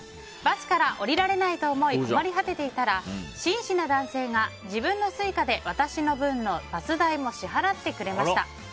バスから降りられないと思い困り果てていたら紳士な男性が自分のＳｕｉｃａで私の分のバス代も払ってくれました。